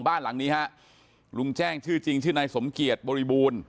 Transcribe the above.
บ้านหลังนี้ฮะลุงแจ้งชื่อจริงชื่อนายสมเกียจบริบูรณ์